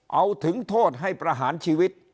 เอาถึงโทษให้ประหารชีวิต